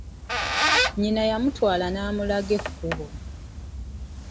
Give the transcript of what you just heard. Nnyina yamutwala n'amulaga ekkubo.